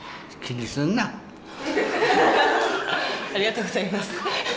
ありがとうございます。